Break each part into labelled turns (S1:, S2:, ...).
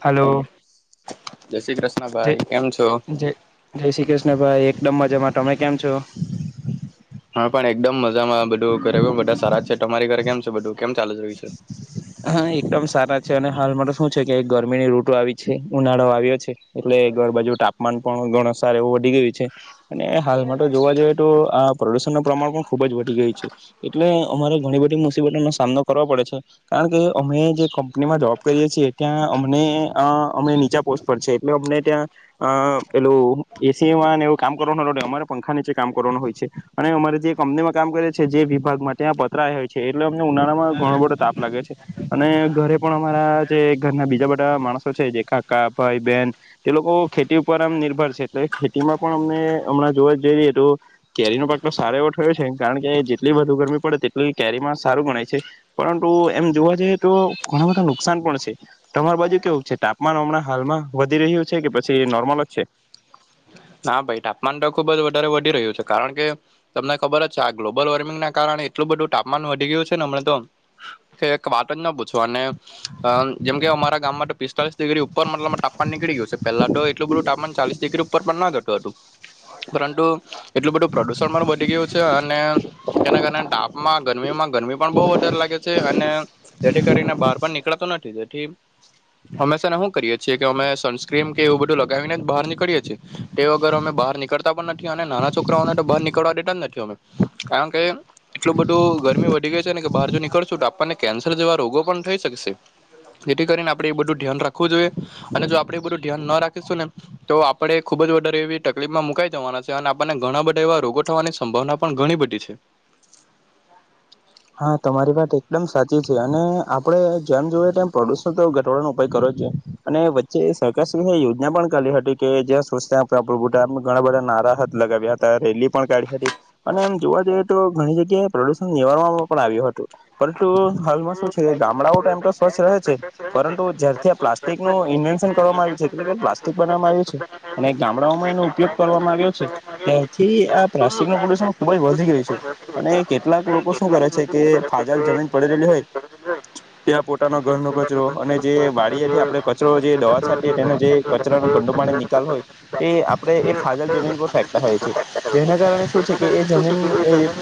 S1: Hello
S2: જય શ્રી કૃષ્ણ
S1: જ
S2: ભાઈ કેમ છો
S1: જય જય શ્રી કૃષ્ણભાઈ એક ડમમ જમાં તમે કેમ છો
S2: હા પણ એકદમ મજામાં બધું ઘરે બધા સારા છે તમારી ઘરે કેમ બધું કેમ ચાલી રહ્યું છે
S1: હા એકદમ સારા છે અને હાલ મારે શું છે કે ગરમીની રૂટો આવી છે ઉનાળો આવ્યો છે એટલે ઘર બાજુ તાપમાન પણ ગણ સારો હોય ગ અને હાલમાં તો જોવા જઈએ તો આ પ્રદુષણનું પ્રમાણ પણ ખુબ જ વધી ગયું છે એટલે અમારે ઘણી બધી મુશ્કેલ સાનો કરવા પડે છે કારણ કે અમે જે કંપનીમાં જોબ કરીએ છીએ ત્યાં અમને અમે નીચા પોસ્ટ પર છે એટલે અમને ત્યાં અ પેલું એસી વાન એવું કામ કરવાનું અમારે પંખા નીચે કામ કરવાનું હોય છે અને અમારે જે કંપનીમાં કામ કરીએ છીએ જે વિભાગમાં ત્યાં પતરા આવ્યા હોય છે એટલે અમને ઉનાળામાં ઘણો બટો તાપ લાગે છે અને ઘરે પણ અમારા જે ઘરના બીજા બધા માણસો છે જે કાકા ભાઈ બહેન તે લોકો ખેતી ઉપર આમ નિર્ભર છે એટલે ખેતીમાં પણ અમને હમણાં જોવા જઈ રએ તો કેરીનો પાક તો સારો એવો થયો છે કારણ કે જેટલી બધુ ગરમી પડે તેટલી કેરીમાં સારું ગણાય છે પરંતુ એમ જોવા જઈએ તો ઘણા બધા નુકસાન પણ છે તમાર બાજુ કેવું છે તાપમાન હમણાં હાલમાં વધી રહ્યું છે કે પછી નોર્મલ જ છે
S2: નાા ભાઈ તાપમાન તો ખુબ જ વધારે વધી રહ્યું છે કારણ કે તમને ખબર જ છે આ ગ્લોબલ વોર્મિંગના કારણે એટલું બધું તાપમાન વધી ગયું છે ને હમને તો ફર એક વાત ના પૂછો અનેમ જેમ કે અરા ગામમાં તો પિસ્તાલીસ ડિગ્રી ઉપર મતલબ તાપમાન નીકળી ગય છે પલા તો એટલું બધું તાપમાન ચાલીસ ડિગ્રી ઉપર પણ ના જતું હતું પરંતુ એટલું બધું પ્રદુષણ પણ વધી ગયું છે અને તેના કારણે તાપમાં ગરમીમાં ગરમી પણ બહ વધારે લાગે છે અને જેથી કરીને બહાર પણ નીકળ નથી હમેશાને શું કરીએ છીએ કે અમે સનસ્ક્રીન કે એવું બધું લગાવીને જ બહાર નીકળીએ છીએ તે વગર અમે બહાર નીકળતા પણ નથી અને નાના છોકરાઓને તો બહાર નીકળવા દેતા જ નથી અમે કારણ કે એટલું બધું ગરમી વધી ગઈ છે ને કે બહાર જો નીકળશું તો આપણને કેન્સર જેવા રોગો પણ થઈ શકશે જેથી કરીને આપણેે એ બધું ધ્યાન રાખવું જોઈએ અને જો આપણે એ બધું ધ્યાન ના રાખીશું ને તો આપણે ખુબ જ વારે એવી તકલીફમાં મુકાઈ જવાના છે અને આપણને ઘણા બધા એવા રોગો થવાની સંભાવના પણ ઘણી બધી છે
S1: હા તમારી વાત એકદમ સાચી છે અને આપડે જેમ જોય તેમ પ્રદુષણ તો ઘટાડનો ઉપાય કરો જ છે અને વચ્ચે સરકાર યોજના પણ કરીા હતી કે જ્યાં ઘણા બધા નારા હાથ લગાવ્યા હતા રેલી પણ કાઢી હતી અને એમ જોવા જઈએ તો ઘણી જગ્યાએ પ્રદુષણ નિવાર પણ આવ્યું હતું પરંતુ હાલમાં શું છે ગામડાઓ ટ એમ તો સ્વચ્છ રહે છે પરંતુ જારથી આ પ્લાસ્ટિક નું ઇન્વેન્શન કરવામાં આવ્યું છે એટ કે પ્લાસ્ટિક બનાવામાં આવ્યું છે અને ગામડાઓમાં એનો ઉપયોગ આવ્યો છે ત્યારથી આ પ્લાસ્ટિક નું પ્રદુષણ ખુબ જ વધી ગયું છે અને કેટલાક લોકો શું કરે છે છે કે ફાજલ જમીન પડે રહેલી હોય ત્યાં પોતાનો ઘરનો કચરો અને જે વાડીએથી આપણે કચરો જે દવા છાંટીએ તેને જે કચરાનો ગંડુ પા નિકાલ હોય તે આપણે એ ફાજલ જમીન પર ફેંકતા હોય છે જેના કારણે શું છે કે એ જમીન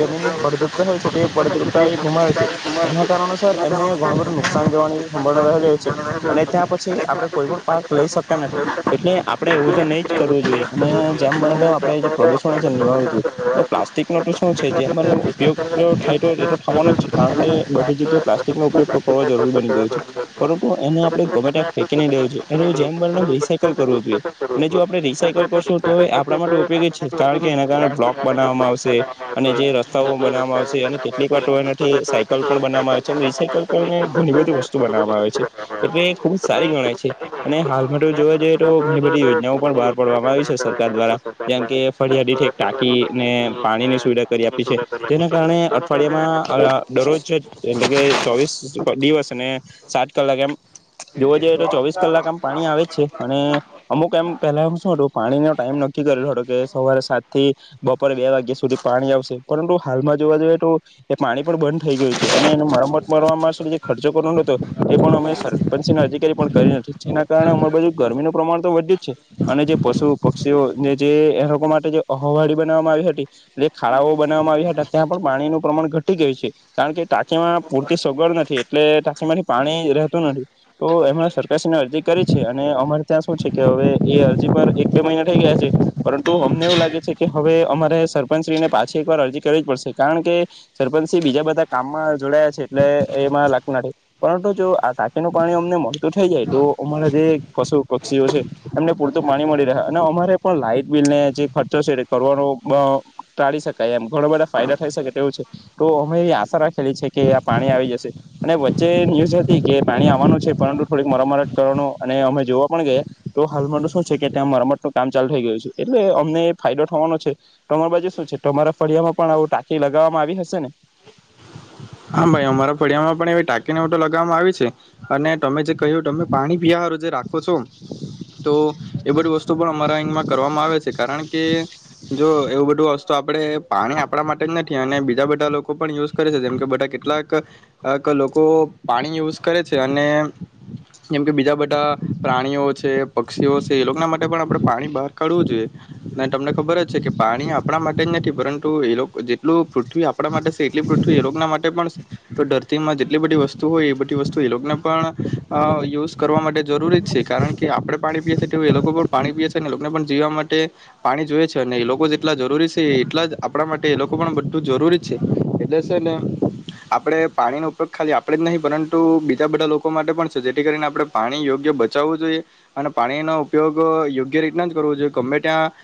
S1: જમીનની ફળદ્રુપતા હોય છે તે ફળદ્રુપ એ ગુમાવે છે એના કારણોસર એમને ઘણું બધું નુકસાન જોવાની સંભાવ રહેલી છે અને ત્યાં પછી આપડે કોઈ પણ પાક લઈ શકતા નથી એટલે આપડણે એવું તો નહી જ કરવું જોઈએ અને જેમ બને આપણેે જે પ્રદુષણ છે નિનીવાડવું જોઈએ પ્લાસ્ટિક નો તો શું છે જે ઉપયોગ થાય તો ખવાનો જ છે કારણ કે બધી જગ્યાએ પ્લાસ્ટિકો ઉપયોગ જરૂરી બની ગ હોય છે પરંતુ એનો આપ ગમેટ ફેકીને લઉવ છે એનું જેમ બ રીસાયકલ કરવું જોઈએ અને જો આપણે રીસાયકલ કરશું તો આપણા માટે ઉપયોગી છે કારણ કે એના કારણે બ્લોક બનાવવામાં આવશે અને જે રસ્તાઓ બનાવવામાં આવશે અને વાર ટોના સાયકલ પણ બનાવામાં આવે છે રીસાયકલ કરીને ઘણી બધી વસ્તુ બનાવામાં આવે છે એટલે ખુબ જ સારી ગણાય છે અને હાલમાં જોવા જઈએ તો ઘણી બધી યોજનાઓ પણ બહાર પાડવામાં આવી છે સરકાર દ્વારા જેમ કે ફરિયાદી ટાંકીને પાણી ની સુવિધા કરી આપી છે જેના કારણે અઠવાડિયામાં દરરોજ એટલે કે ચોવીસ દિવસ અને સાત કલાક એમ જોવા જઈએ તો ચોવીસ કલાક આમ પાણી આવે જ છે અને અમુક એમ પહેલા શું હતું પાણીનો ટાઈમ નક્કી કરેલો હતો કે સવારે સાત થી બપોરે બે વાગ્યા સુધી પાણી આવશે પરંતુ હાલમાં જોવા જોઈએ તો એ પાણી પણ બંધ થઈ ગયું છે અને એને મરમત કરવાવા માટે જે ખર્ચો કરવાનો હતો તે પણ અમે સરપંના અધિકારી પણ કરી નથી જેના કારણે અમાર બાજુ ગરમીનું પ્રમાણ તો વધ્યું જ છે અને જે પશુ પક્ષીઓને જે એ લોકો માટે જે અહવાળી બનાવવામાં આવી હતી જે ખાડાઓ બનાવવામાં આવ્યા હતા ત્યાં પણ પાણીનું પ્રમાણ ઘટી ગયું છે કારણ કે ટાંકીમાં પૂરતી સગવડ નથી એટલે ટાંકીમાંથી પાણી રહેતું નથી તો એમાં સરકારશ્રીને અરજી કરી છે અને અમારે ત્યાં શું છે કે હવે એ અરજી પર એક બે મહિના થઈ ગયા છે પરંતુ અમને એવું લાગે છે કે હવે અમારે સરપંચશ્રીને પાછી એક વાર અરજી કરવી જ પડશે કારણ કે સરપંચ સ બીજા બધા કામમાં જોડાયા છે એટલે એમાં લાગતું ના પરંતુ જો આ ટાંકીનું પાણી અમને મળતું થઈ જાય તો અમારા જે પશુ પક્ષીઓ છે એમને પૂરતું પાણી મળી રહે અને અમારે પણ લાઈટ બિલને જે ખર્ચો છે એ કરવાનો ટાળી શકાય એમ ઘણા બધા ફાયદા થઈ શકે તેવું છે તો અમે એ આશા રાખેલી છે કે આ પાણી આવી જશે અને વચ્ચે ન્યુઝ હતી કે પાણી આવવાનું છે પરંતુ થોડીક મરામત કરવાનું અને અમે જોવા પણ ગયા તો હાલમાંરું શું છે કે ત્યાં મરમત નું કામ ચાલુ થઈ ગયું છે એટલે અમને ફાયદો થવાનો છે તો અર બાજુ શું છે તો અરા ફળિયામાં પણ આવું ટાંકી લગાવવામાં આવી હતી શેને
S2: હા ભાઈ અમારા પડિયા માં પણ એ ટાકીને લગાવવામાં આવી છે. અને તમે જે કહ્યું તમે પાણી પીયા હારુ જે રાખો છો તો એ બધી વસ્તુ પણ અમારા અમાં કરવામાં આવે છે. કારણ કે જો એવું બધું વસ્તુ આપડે પાણી આપણા માટે જ નથી અને બીજા બધા લોકો પણ યુઝ કરે છે જેમ કે બધા કે કેટલાક ક લોકો પાણી યુઝ કરે છે અને જેમ કે બીજા બધા પ્રાણીઓ છે, પક્ષીઓ છે, એ લોકોના માટે પણ આપણે પાણી બહાર કાઢવું જોઈએ. અને તમને ખબર જ છે કે પાણી આપ આપણા માટે જ નથી પરંતુ એ લોક કો જેટલું પૃથ્વી આપણા માટે શે એટલી પૃથ્વી એગના માટે પણ તો ધરતીમાં જેટલી બધી વસ્તુ હોય એ બધી વસ્તુ એ લોકોને પણ અ કરવા માટે જરૂરી જ છે કારણ કે આપણે પાણી પીએ છીએ તે એ લોકો પણ પાણી પીએ છ છે અને એ લોકોને પણ જીવા માટે પાણી જોઈએ છે અને એ લોકો જેટલા જરૂરી છે એટલા જ આપણા માટે એ લોકો પણ બધું જરૂરી છે. એટલે છે ને આપણે પાણીનો ઉપયોગ ખાલી આપણે જ નહીં પરંતુ બીજા બધા લોકો માટે પણ છે જેથી કરીને આપણે પાણી યોગ્ય બચાવવું જોઈએ અને પાણીનો ઉપયોગ યોગ્ય રીતના જ કરવો જોઈએ ગમે ત્યાં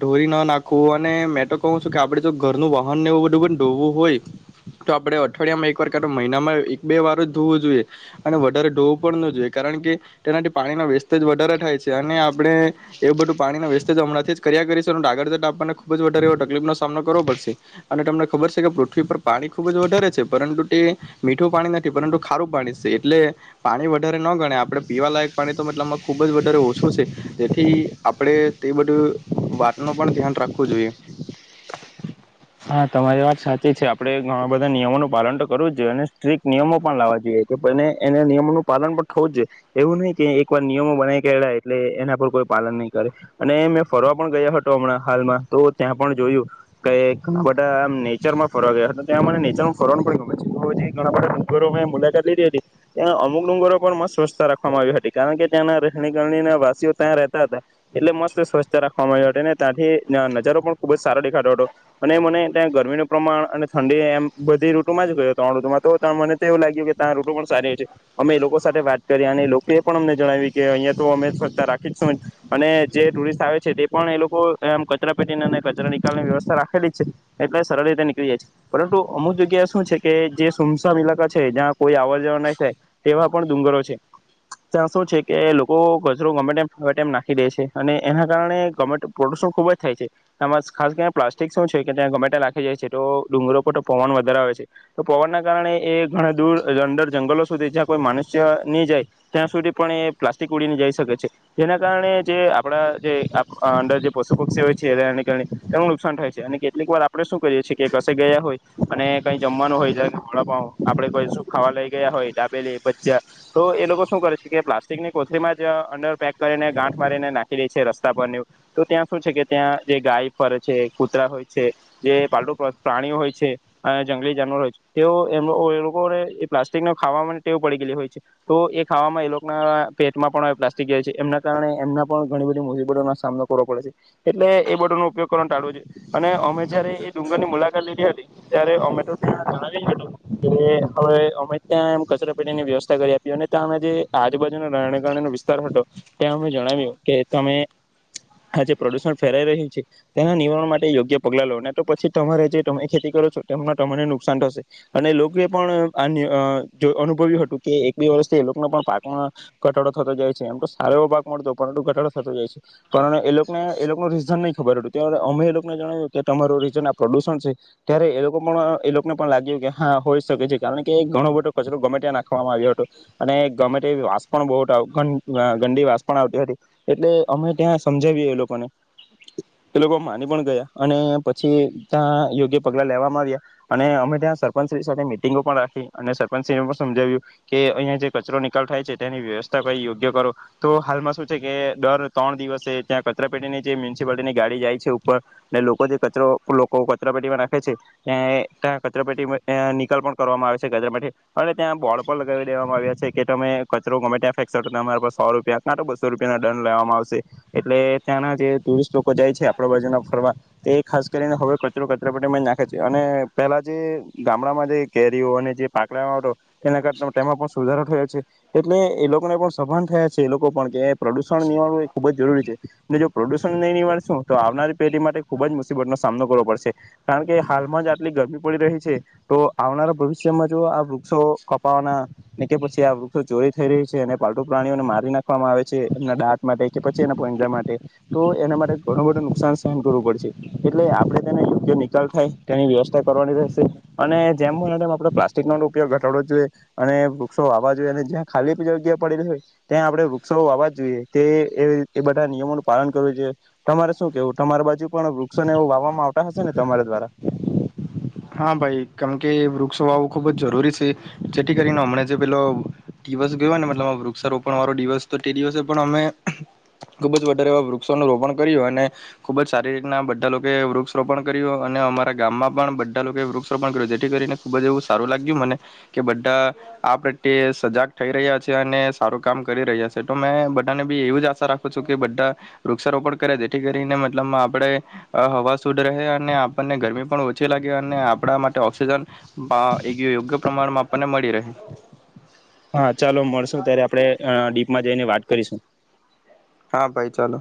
S2: ઢોરી ન નાખવું અને મેં તો કહ છું કે આપણે જો ઘરનું વાહનને એવું બધું પણ ધોવું હોય તો આપણે અઠવાડિયામાં એકવાર ક મહિનામાં એક બે વાર જ ધોવું જોઈએ અને વધારે ધોવું પણ ન જોઈએ કારણ કે તેનાથી પાણીના વેસ્ટેજ વધારે થાય છે. અને આપણે એવું બધું પાણીના વેસ્ટેજ હમણાંથી જ કર્યા કરીશું અને ડાગળ જટ આપવાને ખૂબ જ વધારે એવો તકલીફનો સામનો કરવો પડશે. અને તમને ખબર છે કે પૃથ્વી પર પાણી ખૂબ જ વધારે છે. પરંતુ તે મીઠું પાણી નથી પરંતુ ખારું પાણી છે એટલે પાણી વધારે ન ગણે આપણે પીવાલાયક પાણી તો મતલબમાં ખૂબ જ વધારે ઓછું છે તેથી આપણે તે બધું વાતનું પણ ધ્યાન રાખવું જોઈએ.
S1: હા તમારી વાત સાચી છે આપડણે ઘણા બધા નિયમોનું પાલન તો કરવું જ જોઈએ અને સ્ટ્રિકક્ટ નિયમો પણ લાવવા જોઈએ એના નિયમોનું પાલન પણ થવું જ જોએ એવું નહી કે એકવાર નિયમો બનાવી કેલા એટલે એના પર કોઈ પાલન નહી કરે અને મેં ફરવા પણ ગયા હતો હમણાં હાલમાં તો ત્યાં પણ જોયું કે બધા આમ નેચરમાં ફરવા ગયા ત્યાં મને નેચરમાં ફરવા પડ ગમે છે ઘણા બધા ડુંગરો મુલાકાત લીધી હતી ત્યાં અમુક ડુંગરો પણ મસ્ત સ્વચ્છતા રાખવામાં આવી હતી કારણ કે ત્યાંના રહેણી કરણી વાસીઓ ત્યાં રહેતા હતા એટલે મસ્ત સ્વચ્છતા રાખવામાં આવી હતી અનેને ત્યાંથી નજારો પણ ખુબ જ સારો દેખાતો હતો. અને મને ત્યાં ગરમીનું પ્રમાણ અને ઠંડી એમ બધી ઋતુમાં જ ગયો ત્રણ ઋતુમાં તો ત મને તો એવું લાગ્યું કે ત્યાં રૂટુ પણ સારી હોય છે અમે એ લોકો સાથે વાત કરી અને લોકો એ પણ અમને જણાવ્યું કે અહીંયા તો અમે સતા રાખી જશું અને જે ટુરિસ્ટ આવે છે તે પણ એ લોકો આમ કચરા પેટીને અને કચરા નિકાલની વ્યવસ્થા રાખેલી. છે એટલે સરળ રીતે નીકળી જાય છે પરંતુ અમુક જગ્યાએ શું છે કે જે સુમસામ ઈલાકા છે જ્યાં કોઈ આવર જવાર નહી થાય તેવા પણ ડુંગરો છે ત્યાં શું છે કે લોકો ગચરો ગમે તે ફમ નાખી દે છે અને એના કારણે ગમે પ્રદુષણ ખુબ જ થાય છે. તમાર ખાસ કરીને પ્લાસ્ટિક શું છે કે ત્યાં ગમેટા લખી જાય છે તો ડુંગરો પર તો પવન વધારવે આવે છે તો પવનના કારણે એ ઘણા દૂર અંદર જંગલો સુધી જ્યાં કોઈ મનુષ્ય નહીં જાય ત્યાં સુધી પણ એ પ્લાસ્ટિક ઉડીને જઈ શકે છે જેના કારણે જે આપણા જે આપ અંદર જે પશુ પક્ષી હોય છે એને કારણે તેનું નુકસાન થાય છે. અને કેટલીક વાર આપણે શું કરીએ છીએ કે કશે ગયા હોય અને કંઈ જમવાનું હોય ખડા પાવ આપડે કોઈ સુ ખાવા લઈ ગયા હોય ડાબેલી બચ્ચા તો એ લોકો શું કરે છે કે પ્લાસ્ટિકની કોથલીમાં જ અંડર પેક કરીને ગાંઠ મારીને નાખી રે છે રસ્તા પર તો ત્યાં શું છે કે ત્યાં જે ગાય ફરે છે. કૂતરા હોય છે જે પાલટુ પ્રાણીઓ હોય છે અને જંગલી જાનવર હોય છે તેઓ એમ એ લોકોને એ પ્લાસ્ટિકને ખાવા ટેવ પડી ગયેલી હોય છે તો એ ખાવામાં એ લોકોના પેટમાં પણ પ્લાસ્ટિક જ છે એમના કારણે એમના પણ ઘણી બધી મુસીબતોનો સામનો કરવો પડે છે એટલે એ બધોનો ઉપયોગ કર ટાળો જોઈએ. અને અમે જયારે એ ડુંગર ની મુલાકાત લીધી હતી ત્યારે અમે તો ત્યાં જણાવી કે હવે અમે ત્યાં કચરાપેટીની વ્યવસ્થા કરી આપી અને ત્યાં અમે જે આજ બાજ [unintelligible] વિસ્તાર હતો તે અમે જણાવ્યું કે તમે આ જે પ્રદુષણ ફેરાઈ રહ્યું છે તેના નિવારણ માટ ટે યોગ્ય પગલા ને તો પછી તમારે જે તમે ખેતી કરો છો તેમને તમને નુકસાન થશે અને એ લોકોએ પણ અનુભવ્યું હતું કે એક બે વર્ષથી એ લોકોને પણ પાકમાં ઘટાડો થતો જાય છે એમ તો સારો એવો પાક મળતો પરંતુ ઘટાડો થતો જાય છે પણ એ લોકોને એનું રીઝન નહી ખબર હતું અમે એલોક ને જણાવ્યું કે તમારું રીજન આ પ્રદુષણ છે ત્યારે એ લોકો પણ એ લોકોને પણ લાગ્યું કે હા હોય શકે છે કારણ કે ઘણો બધો કચરો ગમેટ નાખવામાં આવ્યો હતો. અને ગમેટે વાસ પણ બહ ગડી વાસ પણ આવતી હતી. એટલે અમે ત્યાં સમજાવીએ એ લોક કને એ લોકો મા ની પણ ગયા અને પછી ત્યાં યોગ્ય પગલા લેવામાં આવ્યા. અને અમે ત્યાં સરપંચ શ્રી સાથે મીટિંગો પણ રાખી. અને સરપંચ સિં એ પણ સમજાવ્યું કે અહીંયા જે કચરો નિકાલ થાય છે તેની વ્યવસ્થા કઈ યોગ્ય કરો તો હાલમાં શું છે કે દર ત્રણ દિવસે ત્યાં કચરા પેટીની જે મ્યુનિસિપાલટીની ગાડી જાય છે. પર ને લોકો જે કચરો લોકો કચરા પેટીમાં નાખે છે [unintelligible] ત્યાં કચરા પેટી નિકાલ પણ કરવામાં આવે છે કચરા પેટી. અને ત્યાં બોળડ પણ લગાવી દેવામાં આવ્યા. છે કે તમે કચરો ગમે ત્યાં ફેંકશો તમારા સો રૂપિયા તો બસો રૂપિયા ના દંડ લેવામાં આવશે એટલે ત્યાંના જે ટુરિસ્ટ લોકો જાય છે આપ આપડા ભજન ફરવા તો એ ખાસ કરીને હવે કચરો કચરાપટીમાં જ નાખે છે અને પહેલાં જે ગામડામાં જે કેરીઓ અને જે પાકલેવા આવતો તેના કાર તેમાં પણ સુધારો થયો. છે એટલે એ લોકોને પણ સભાન થયા છે એ લોકો પણ કે પ્રદુષણ નિવારવું એ ખુબ જ જરૂરી છે અને જો પ્રદુષણ નહીં નિવારશું તો આવનારી પેઢી માટે ખુબ જ મુસીબતનો સામનો કરવો પડશે કારણ કે હાલમાં જ આટલી ગરમી પડી રહી છે તો આવનારા ભવિષ્યમાં જો આ સો કોપાવના કે પછી આ વૃક્ષો ચોરી થઈ રહી છે અને પાલટુ પ્રાણીઓને મારી નાખવામાં આવે છે એમના દાંત માટે કે પછી એના પોંજા માટે તો એના માટે ઘણું બું કરવું પડશે એટલે આપણે તેને યોગ્ય નિકાલ થાય તેની વ્યવસ્થા કરવાની રહેશે અને જેમ મ તેમ આપણે પ્લાસ્ટિક નો ઉપયોગ ઘટાડવો જોઈએ અને વૃક્ષો વાવા જોઈએ અને જ્યાં ખાલી જગ્યા પડેલી હોય ત્યાં આપણે વૃક્ષો વાવા જોઈએ તે એ બધા નિયમોનું પાલન કરવું જોઈએ તમારે શું કેવું તમારા બાજુ પણ વૃક્ષોને એવું વાવામાં આવતા હશે ને તમારા દ્વારા
S2: હા ભાઈ કેમ કે વૃક્ષો વાવું ખુબ જ જરૂરી છે જેથી કરીને હમ જે પેલો દિવસ ગયોને મતલબ વૃક્ષારોપણ વાળો દિવસ તો તે દિવસે પણ અમે ખુબ જ વધારે એવા વૃક્ષોનું રોપણ કર્યું અને ખુબ જ સારી રીતના બધા લોકો વૃક્ષ રોપણ કર્યું અને અમારા ગામમાં પણ વૃક્ષોપણ કર્યું જેથી કરીને ખુબ જ એવું સારું લાગ્યું મને કે બધા આ પ્રત્યે સજાગ થઈ રહ્યા છે અને સારું કામ કરી રહ્યા છે તો મે બધાને બી એવી જ આશા રાખું છું કે બધા વૃક્ષારોપણ કરે જેથી કરીને મતલબ આપણે હવા શુદ્ રહે અને આપણને ગરમી પણ ઓછી લાગી અને આપણા માટે ઓક્સિજન યોગ્ય પ્રમાણમાં આપણને મળી રહે
S1: હા ચાલો મળશું ત્યારે આપડે માં જઈને વાત કરીશું
S2: હા ભાઈ ચાલો